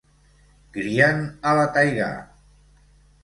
Crien a la taigà.